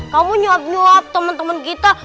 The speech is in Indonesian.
kamu nyuap nyuap temen temen kita